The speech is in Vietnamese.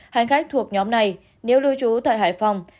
hành khách thuộc nhóm này nếu lưu trú tại hải phòng